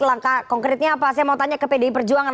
langkah konkretnya apa saya mau tanya ke pdi perjuangan